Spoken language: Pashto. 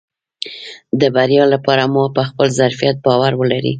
د بريا لپاره مو په خپل ظرفيت باور ولرئ .